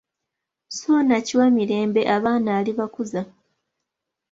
Ssuuna Kiwamirembe Abaana alibakuza.